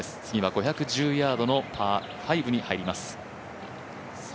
次は５１０ヤードのパー５に入ります。